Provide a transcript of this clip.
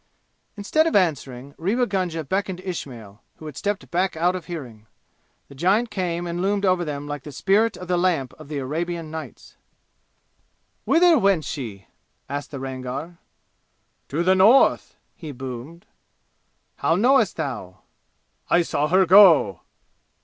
Instead of answering, Rewa Gunga beckoned Ismail, who had stepped back out of hearing. The giant came and loomed over them like the Spirit of the Lamp of the Arabian Nights. "Whither went she?" asked the Rangar. "To the North!" he boomed. "How knowest thou?" "I saw her go!"